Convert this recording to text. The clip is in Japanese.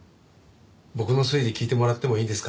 僕の推理聞いてもらってもいいですか？